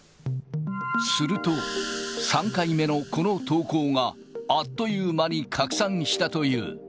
すると、３回目のこの投稿が、あっという間に拡散したという。